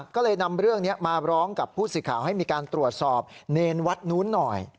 ก็เลยนำเรื่องนี้มาร้องกับผู้สื่อข่าวให้มีการตรวจสอบเนรวัดนู้นหน่อย